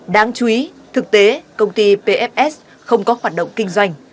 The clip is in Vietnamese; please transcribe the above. đáng chú ý thực tế công ty pfs không có hoạt động kinh doanh